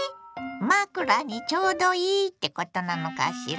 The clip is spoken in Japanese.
⁉枕にちょうどいいってことなのしら？